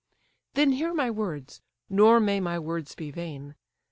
Then hear my words, nor may my words be vain!